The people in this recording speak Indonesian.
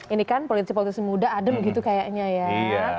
ini kan politik politik muda adem gitu kayaknya ya